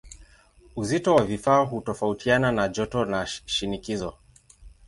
Uzito wa vifaa hutofautiana na joto na shinikizo.